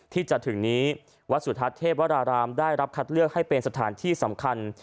ที่จะถึงนี้วัดสุทัศน์เทพวรารามได้รับคัดเลือกให้เป็นสถานที่สำคัญ